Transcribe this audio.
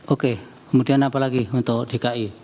oke kemudian apa lagi untuk dki